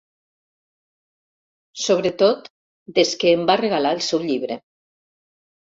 Sobretot des que em va regalar el seu llibre.